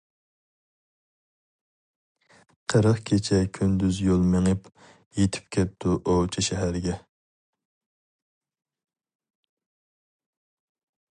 قىرىق كېچە-كۈندۈز يول مېڭىپ، يېتىپ كەپتۇ ئوۋچى شەھەرگە.